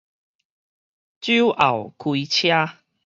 酒後開車